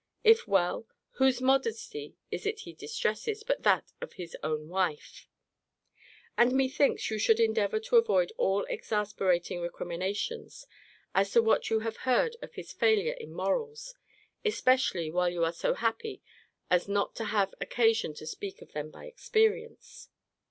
If well, whose modesty is it he distresses, but that of his own wife? And methinks you should endeavour to avoid all exasperating recriminations, as to what you have heard of his failure in morals; especially while you are so happy as not to have occasion to speak of them by experience.